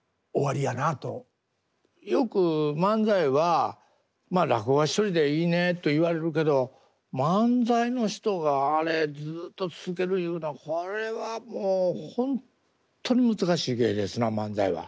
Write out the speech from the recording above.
よく漫才はまあ落語は１人でいいねと言われるけど漫才の人があれずっと続けるいうのはこれはもうほんっとに難しい芸ですな漫才は。